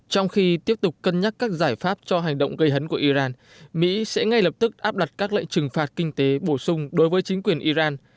trong khi tiếp tục cân nhắc các giải pháp cho hành động gây hấn của iran mỹ sẽ ngay lập tức áp đặt các lệnh trừng phạt kinh tế bổ sung đối với chính quyền iran